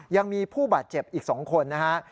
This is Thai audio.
ยังมีผู้บาดเจ็บอีก๒คนนะฮะ